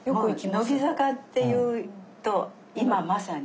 乃木坂っていうと今まさに。